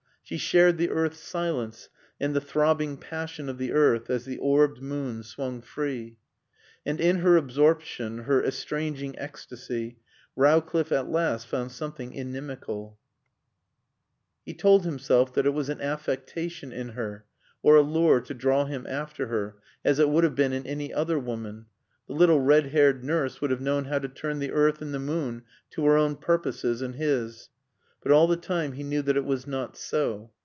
She shared the earth's silence and the throbbing passion of the earth as the orbed moon swung free. And in her absorption, her estranging ecstasy, Rowcliffe at last found something inimical. He told himself that it was an affectation in her, or a lure to draw him after her, as it would have been in any other woman. The little red haired nurse would have known how to turn the earth and the moon to her own purposes and his. But all the time he knew that it was not so.